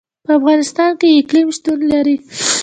په افغانستان کې اقلیم شتون لري.